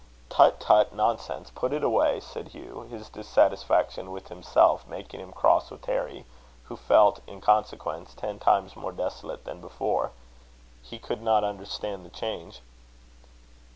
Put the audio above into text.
"Tut! tut! nonsense! Put it away," said Hugh, his dissatisfaction with himself making him cross with Harry, who felt, in consequence, ten times more desolate than before. He could not understand the change.